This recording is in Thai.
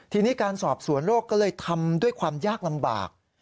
ทีนี้การสอบสวนโรคก็เลยทำด้วยความยากลำบาก